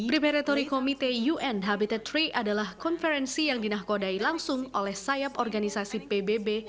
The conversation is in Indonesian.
preparatory committee un habitat tiga adalah konferensi yang dinakodai langsung oleh sayap organisasi pbb